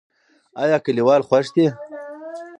ایا کلیوال خوښ دي؟